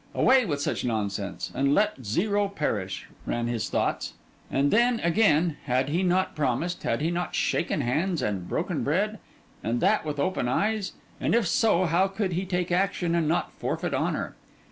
Away with such nonsense, and let Zero perish! ran his thoughts. And then again: had he not promised, had he not shaken hands and broken bread? and that with open eyes? and if so how could he take action, and not forfeit honour?